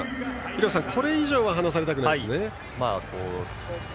廣瀬さん、これ以上離されたくないですね。